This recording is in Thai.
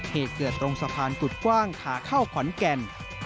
เหตุเกิดตรงสะพานกุฎกว้างขาเข้าขอนแก่น